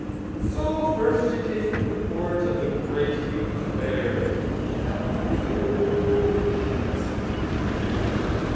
So first she tasted the porridge of the Great Huge Bear, and that was too hot.